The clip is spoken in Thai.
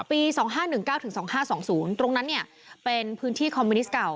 ปี๒๕๑๙๒๕๒๐ตรงนั้นเป็นพื้นที่คอมมิวนิสต์เก่า